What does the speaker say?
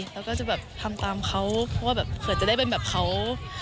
แล้วก็จะทำตามเขาเผื่อจะได้เป็นแบบเขา